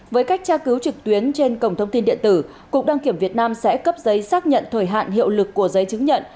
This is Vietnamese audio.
với cách tra cứu trực tuyến trên cổng thông tin điện tử cục đăng kiểm việt nam sẽ cấp giấy xác nhận thời hạn hiệu lực của giấy chứng nhận